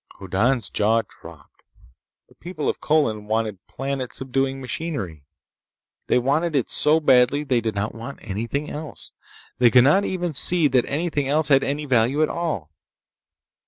Hoddan's jaw dropped. The people of Colin wanted planet subduing machinery. They wanted it so badly that they did not want anything else. They could not even see that anything else had any value at all.